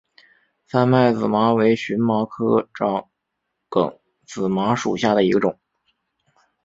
三脉紫麻为荨麻科长梗紫麻属下的一个种。